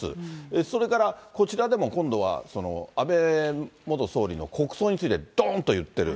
それからこちらでも今度は、安倍元総理の国葬についてどーんといってる。